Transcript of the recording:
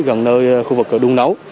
gần nơi khu vực đun nấu